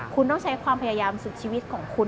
คุณต้องใช้ความพยายามสุดชีวิตของคุณ